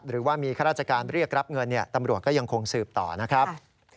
หรือว่ามีข้าราชการเรียกรับเงินตำรวจก็ยังคงสืบต่อนะครับ